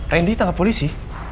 randy ditangkap polisi